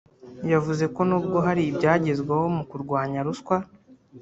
yavuze ko nubwo hari ibyagezweho mu kurwanya ruswa